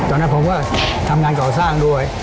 ตอนนั้นผมก็ทำงานก่อสร้างด้วย